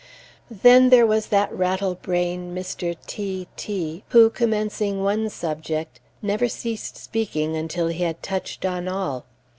Then there was that rattle brain Mr. T t who, commencing one subject, never ceased speaking until he had touched on all.